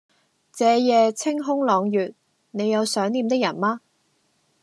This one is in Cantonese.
這夜清空朗月，你有想念的人嗎